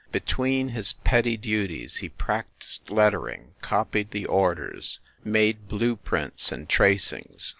Between his petty duties, he practised lettering, copied the orders, made PROLOGUE ii blue prints and tracings.